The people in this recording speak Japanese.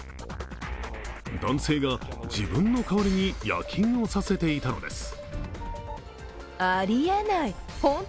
男性が、自分の代わりに夜勤をさせていたのです。